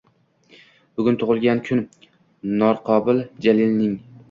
Bugun tug‘ilgan kun – Norqobil Jalilng